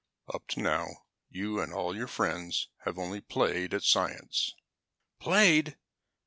"Up to now, you and all your friends have only played at science." "Played!"